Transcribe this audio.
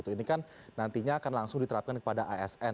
ini kan nantinya akan langsung diterapkan kepada asn